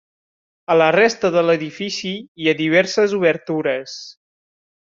A la resta de l'edifici hi ha diverses obertures.